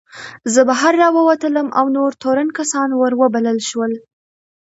زه بهر راووتلم او نور تورن کسان ور وبلل شول.